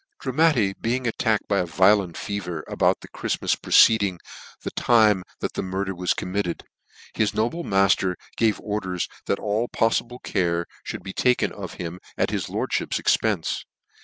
Dramatti being attacked by a violent fever about the Chriftmas preceding the time that the murder was committed, his noble mafter gave orders that all poilible care ihould be taken of I 2 him 63 NE NEWGATE CALENDAR. him at his lordfhip's expence.